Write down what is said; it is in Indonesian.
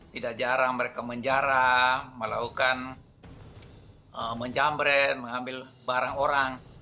tidak jarang mereka menjara melakukan menjamret mengambil barang orang